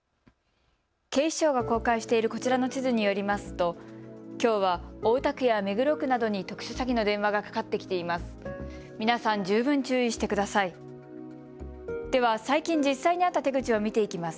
警視庁が公開しているこちらの地図によりますときょうは太田区や目黒区などに特殊詐欺の電話がかかってきています。